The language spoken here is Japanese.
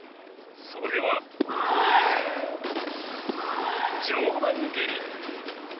それは上段蹴り。